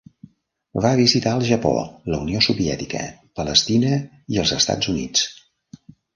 Va visitar el Japó, la Unió Soviètica, Palestina i els Estats Units.